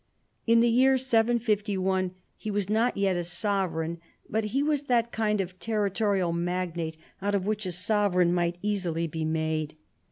In the year Y51 he was not yet a sovereign, but he was that kind of territorial magnate out of whom a sovereign might easily be made.